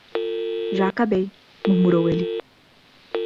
Já acabei, murmurou ele.